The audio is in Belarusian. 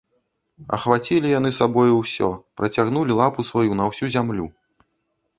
Ахвацілі яны сабою ўсё, працягнулі лапу сваю на ўсю зямлю.